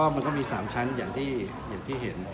มันก็มี๓ชั้นอย่างที่เห็น